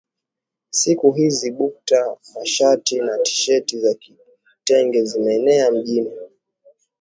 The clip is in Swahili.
siku hizi bukta mashati na tisheti za kitenge zimeenea mjini